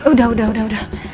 udah udah udah